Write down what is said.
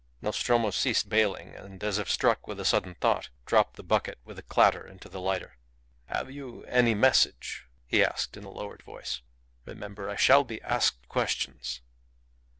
Nostromo ceased baling, and, as if struck with a sudden thought, dropped the bucket with a clatter into the lighter. "Have you any message?" he asked in a lowered voice. "Remember, I shall be asked questions."